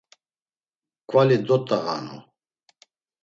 K̆vali dot̆ağanu.